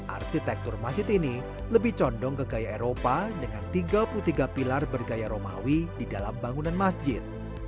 arsitektur masjid ini lebih condong ke gaya eropa dengan tiga puluh tiga pilar bergaya romawi di dalam bangunan masjid